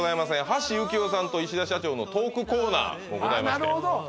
橋幸夫さんと石田社長のトークコーナーもございましてああ